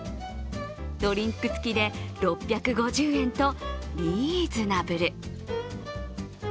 ドリンク付きで６５０円とリーズナブル。